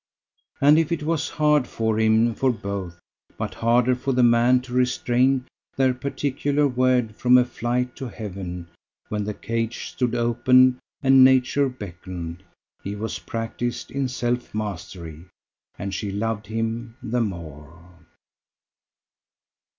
And if it was hard for him, for both, but harder for the man, to restrain their particular word from a flight to heaven when the cage stood open and nature beckoned, he was practised in self mastery, and she loved him the more.